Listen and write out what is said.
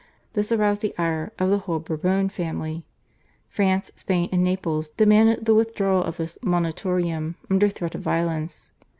This aroused the ire of the whole Bourbon family. France, Spain, and Naples demanded the withdrawal of this /Monitorium/ under threat of violence.